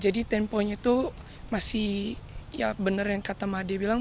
jadi temponya itu masih ya bener yang kata madya bilang